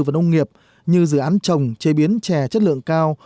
vào nông nghiệp như dự án trồng chế biến chè chất lượng cao